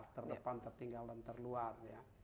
di depan tertinggal dan terluas